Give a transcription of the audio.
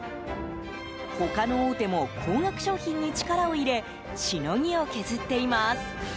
他の大手も高額商品に力を入れしのぎを削っています。